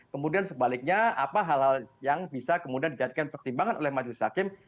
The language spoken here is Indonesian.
kemudian sebaliknya apa hal hal yang bisa kemudian dijadikan pertimbangan oleh majelis hakim